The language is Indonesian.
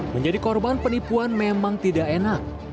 menjadi korban penipuan memang tidak enak